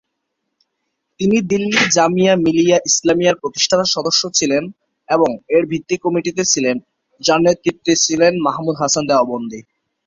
তিনি দিল্লি জামিয়া মিলিয়া ইসলামিয়ার প্রতিষ্ঠাতা সদস্য ছিলেন এবং এর ভিত্তি কমিটিতে ছিলেন, যার নেতৃত্বে ছিলেন মাহমুদ হাসান দেওবন্দী।